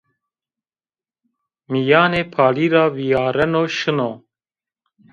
Mîyanê Palî ra vîyareno şino